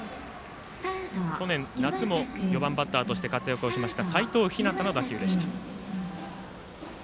去年夏も４番バッターとして活躍した齋藤陽の打球でした。